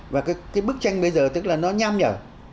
và cái bức tranh bây giờ tức là nó nham nhở